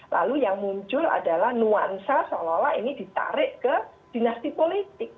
lalu yang muncul adalah nuansa seolah olah ini ditarik ke dinasti politik